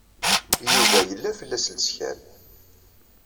Yuba yella fell-as lettkal.